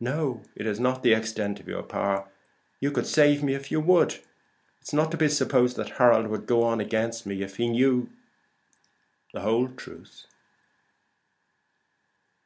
"No, it is not the extent of your power. You could save me if you would. It is not to be supposed that Harold would go on against me if he knew the whole truth."